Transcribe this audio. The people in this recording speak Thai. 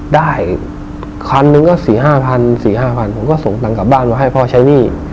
ได้ครั้งนึงก็สี่ห้าพันสี่ห้าพันผมก็ส่งตังกลับบ้านมาให้พ่อใช้หนี้